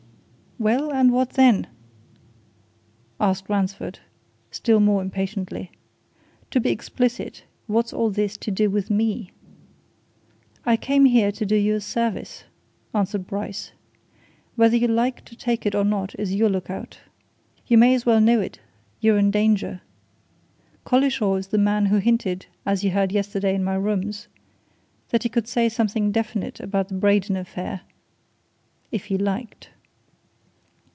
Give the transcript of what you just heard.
"Well and what then?" asked Ransford, still more impatiently. "To be explicit what's all this to do with me?" "I came here to do you a service," answered Bryce. "Whether you like to take it or not is your look out. You may as well know it you're in danger. Collishaw is the man who hinted as you heard yesterday in my rooms that he could say something definite about the Braden affair if he liked."